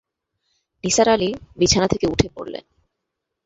নিসার আলি বিছানা থেকে উঠে পড়লেন।